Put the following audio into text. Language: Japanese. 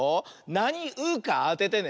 なに「う」かあててね。